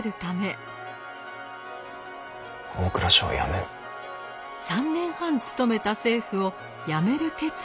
３年半勤めた政府を辞める決意を固めました。